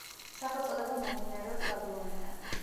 სახელწოდება მომდინარეობს ბაბილონიდან.